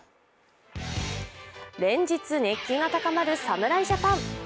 連日、熱気が高まる侍ジャパン。